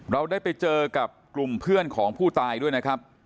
เราได้ไปเจอกับกลุ่มเพื่อนของผู้ตายด้วยนะครับ